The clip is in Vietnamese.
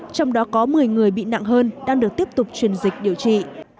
trong đó có một mươi người bị nặng hơn đang được tiếp tục truyền dịch điều trị